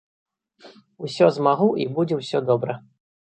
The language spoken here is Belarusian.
Усё змагу і будзе ўсё добра.